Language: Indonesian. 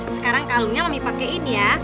sekarang kalungnya mami pake ini ya